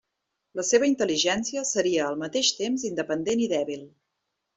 La seva intel·ligència seria al mateix temps independent i dèbil.